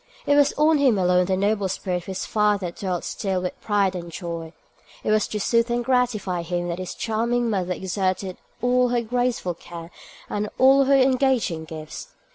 It was on him alone the noble spirit of his father dwelt still with pride and joy: it was to soothe and gratify him that his charming mother exerted all her graceful care and all her engaging gifts.